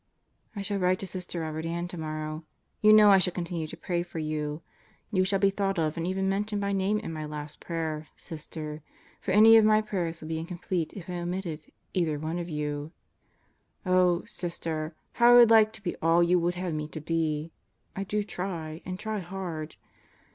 ... I shall write to Sister Robert Ann tomorrow. You know I shall continue to pray for you. You shall be thought of and even mentioned by name in my last prayer, Sister; for any of my prayers would be incomplete if I omitted either one of you. ... Oh, Sister, how I would like to be all you would have me be I do try, and try hard.